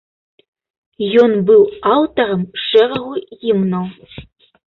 Ён быў аўтарам шэрагу гімнаў.